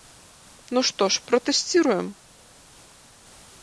Ну што ж, пратэсціруем.